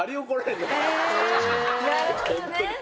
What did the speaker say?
なるほどね。